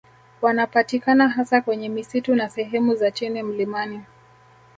Wanapatikana hasa kwenye misitu na sehemu za chini mlimani